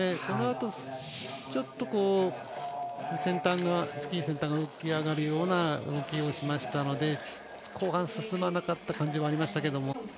このあと、ちょっとスキー先端が浮き上がるような動きをしましたので後半、進まなかった感じもありました。